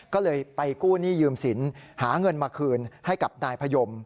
ก็เลยไปกู้หนี้ยืมสินหาเงินมาคืนให้กับนายพยม